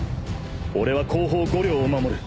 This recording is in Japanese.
俺は後方５両を守る。